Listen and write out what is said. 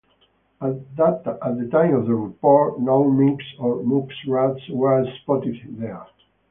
At the time of the report, no minks or muskrats were spotted there.